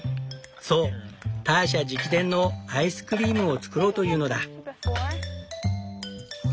そうターシャ直伝のアイスクリームを作ろうというのだ。